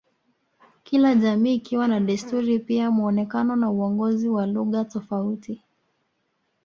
Kila jamii ikiwa na desturi pia muonekano na uongozi na lugha tofauti